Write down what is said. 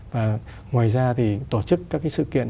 và ngoài ra tổ chức các sự kiện